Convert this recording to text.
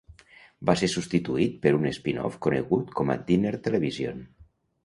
Va ser substituït per un spin-off conegut com a Dinner Television.